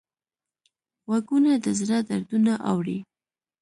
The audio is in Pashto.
غوږونه د زړه دردونه اوري